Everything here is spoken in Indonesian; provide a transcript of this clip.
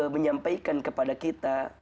menyampaikan kepada kita